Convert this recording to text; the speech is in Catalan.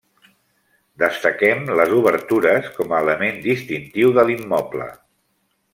Destaquem les obertures com a element distintiu de l'immoble.